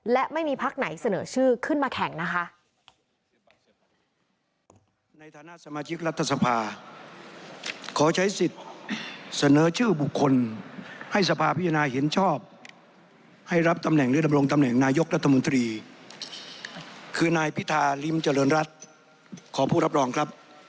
และไม่มีพักไหนเสนอชื่อขึ้นมาแข่งนะคะ